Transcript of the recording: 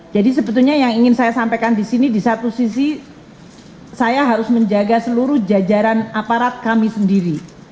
jadi sebetulnya yang ingin saya sampaikan di sini di satu sisi saya harus menjaga seluruh jajaran aparat kami sendiri